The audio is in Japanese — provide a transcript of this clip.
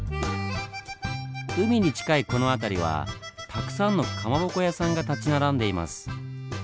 海に近いこの辺りはたくさんのかまぼこ屋さんが立ち並んでいます。